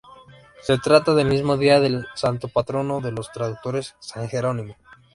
Se trata del mismo día del santo patrono de los traductores: San Jerónimo.